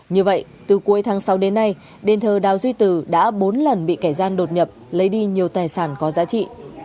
như vậy từ cuối tháng sáu đến nay đền thờ đào duy từ đã bốn lần bị kẻ gian đột nhập lấy đi nhiều tài sản có giá trị